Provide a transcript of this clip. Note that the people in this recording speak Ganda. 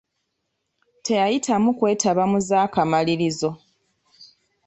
Teyayitamu kwetaba mu zaakamalirizo.